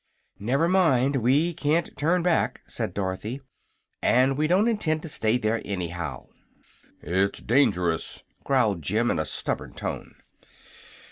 "Never mind; we can't turn back," said Dorothy; "and we don't intend to stay there, anyhow." "It's dangerous," growled Jim, in a stubborn tone.